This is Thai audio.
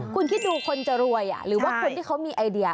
คุณคิดดูคนจะรวยหรือว่าคนที่เขามีไอเดีย